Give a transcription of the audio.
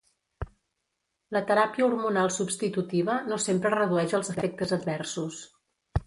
La teràpia hormonal substitutiva no sempre redueix els efectes adversos.